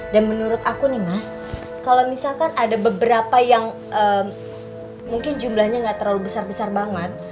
dan menurut aku nih mas kalau misalkan ada beberapa yang mungkin jumlahnya gak terlalu besar besar banget